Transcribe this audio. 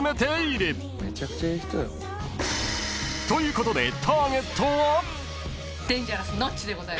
ということで］